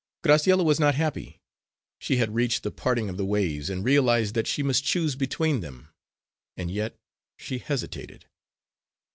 Graciella was not happy. She had reached the parting of the ways, and realised that she must choose between them. And yet she hesitated.